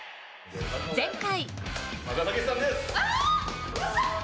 前回。